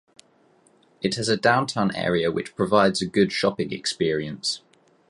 It has a downtown area which provides a good shopping experience.